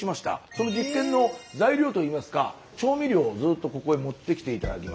その実験の材料といいますか調味料をずっとここへ持ってきて頂けますでしょうか。